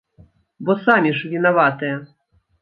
Бо самі ж вінаватыя!